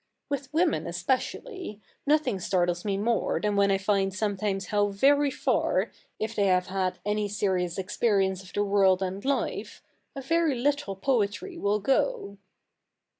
With women especially, nothing startles me more than when I find sometimes how very far, if they have had any serious experience of the world and life, a very little poetry will go.'